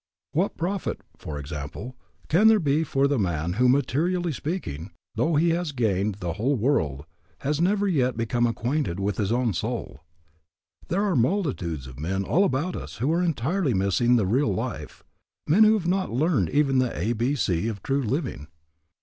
What profit, for example, can there be for the man who, materially speaking, though he has gained the whole world, has never yet become acquainted with his own soul? There are multitudes of men all about us who are entirely missing the real life, men who have not learned even the a, b, c of true living.